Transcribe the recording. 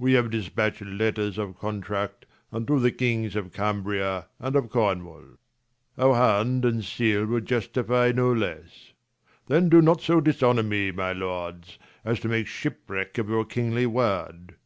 We have dispatched letters of contract Unto the kings of Cambria and of Cornwall ; Our hand and seal will justify no less : 40 Then do not so dishonour me, my lords, As to make shipwreck of our kingly word.